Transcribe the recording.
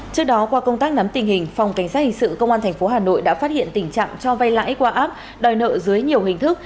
trước đó qua công tác nắm tình hình phòng cảnh sát hình sự công an tp hà nội đã phát hiện tình trạng cho vay lãi qua app đòi nợ dưới nhiều hình thức